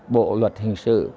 bộ luật hình sự